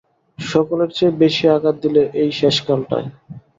সকলের চেয়ে বেশি আঘাত দিলে এই শেষকালটায়।